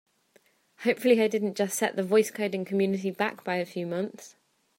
Hopefully I didn't just set the voice coding community back by a few months!